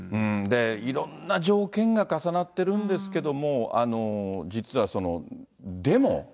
いろんな条件が重なってるんですけども、実はデモ。